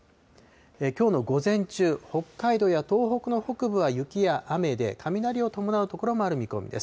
きょうの午前中、北海道や東北の北部は雪や雨で、雷を伴う所もある見込みです。